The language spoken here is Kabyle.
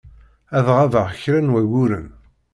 Ad ɣabeɣ kra n wayyuren.